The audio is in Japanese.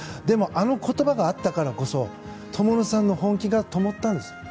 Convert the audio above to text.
でも、あの言葉があったからこそ灯さんの本気が灯ったんです。